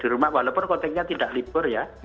di rumah walaupun kotaknya tidak libur ya